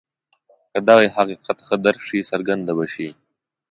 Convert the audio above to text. که دغه حقیقت ښه درک شي څرګنده به شي.